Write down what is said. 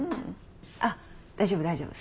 あっ大丈夫大丈夫。